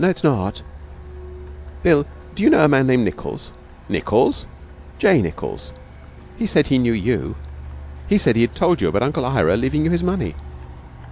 'No, it's not. Bill, do you know a man named Nichols?' 'Nichols?' 'J. Nichols. He said he knew you. He said he had told you about Uncle Ira leaving you his money.'